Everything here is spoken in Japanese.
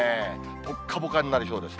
ぽっかぽかになりそうです。